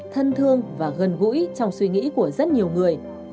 thân thương và gần gũi trong suy nghĩ của rất nhiều người